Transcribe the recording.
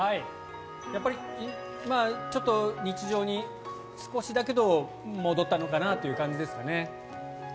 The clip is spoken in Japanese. やっぱり日常に少しだけど戻ったのかなという感じですかね。